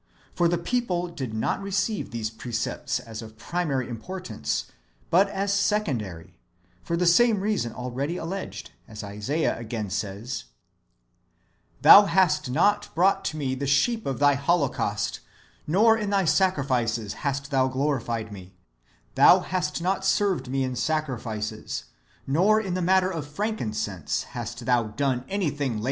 For the people did not receive these precepts as of primary importance {principaliter)^ but as secondary, and for the reason already alleged, as Isaiah again says :" Thou hast not [brought to] me the sheep of thy holocaust, nor in thy sacrifices hast thou glorified me : thou hast not served me in sacrifices, nor in [the matter of] frankincense hast thou done anything labo 1 Jer.